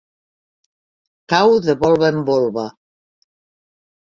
Cau de volva en volva.